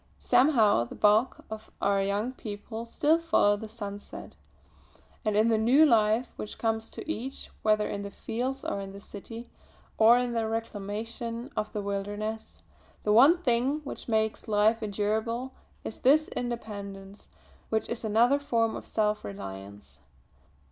Somehow, the bulk of our young people still follow the sunset; and in the new life which comes to each, whether in the fields or in the city or in the reclamation of the wilderness, the one thing which makes life endurable is this independence which is another form of self reliance.